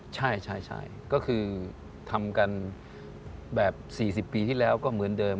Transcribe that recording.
ใช่ก็คือทำกันแบบ๔๐ปีที่แล้วก็เหมือนเดิม